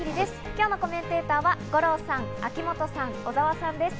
今日のコメンテーターの皆さんです。